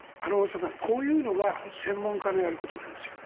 こういうのが専門家のやることなんですよ。